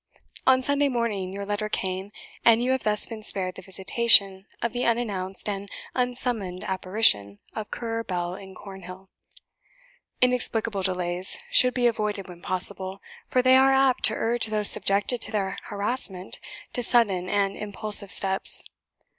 On Sunday morning your letter came, and you have thus been spared the visitation of the unannounced and unsummoned apparition of Currer Bell in Cornhill. Inexplicable delays should be avoided when possible, for they are apt to urge those subjected to their harassment to sudden and impulsive steps.